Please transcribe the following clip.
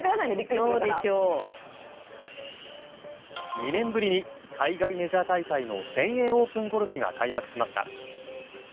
２年ぶりに海外メジャー大会の全英オープンゴルフが開幕しました。